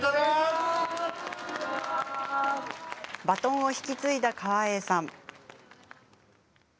バトンを引き継いだ川栄さん。